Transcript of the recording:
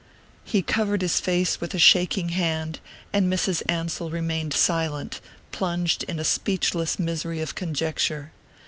He covered his face with a shaking hand, and Mrs. Ansell remained silent, plunged in a speechless misery of conjecture.